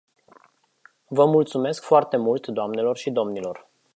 Vă mulțumesc foarte mult, doamnelor și domnilor.